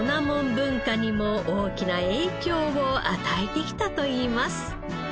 文化にも大きな影響を与えてきたといいます。